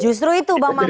justru itu bang maman